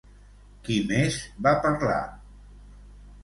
Qui més va parlar?